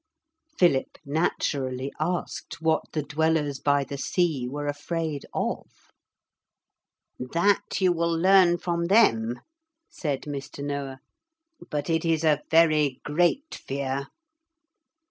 Philip naturally asked what the Dwellers by the Sea were afraid of. 'That you will learn from them,' said Mr. Noah; 'but it is a very great fear.'